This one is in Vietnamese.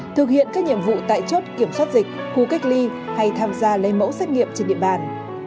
thực hiện các nhiệm vụ tại chốt kiểm soát dịch khu cách ly hay tham gia lấy mẫu xét nghiệm trên địa bàn